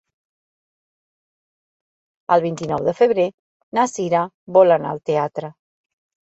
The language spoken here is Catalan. El vint-i-nou de febrer na Cira vol anar al teatre.